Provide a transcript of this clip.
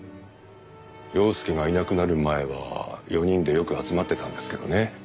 陽介がいなくなる前は４人でよく集まってたんですけどね。